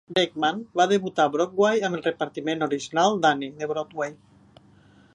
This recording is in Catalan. Beechman va debutar a Broadway amb el repartiment original "d'Annie" de Broadway.